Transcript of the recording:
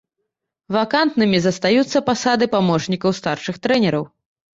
Вакантнымі застаюцца пасады памочнікаў старшых трэнераў.